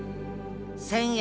１，０００え